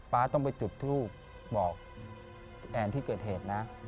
ฟ้าต้องไปจุดทูบบอกแอนที่เกิดเหตุนะ